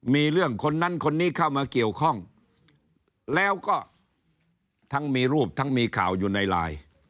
มีเรื่องคนนั้นคนนี้เข้ามาเกี่ยวข้องแล้วก็ทั้งมีรูปทั้งมีข่าวอยู่ในไลน์